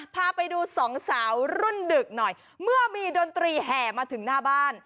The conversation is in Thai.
พาไปดูสองสาวรุ่นดึกหน่อยเมื่อมีดนตรีแห่มาถึงหน้าบ้าน